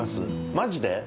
マジで？